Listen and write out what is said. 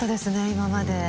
今まで。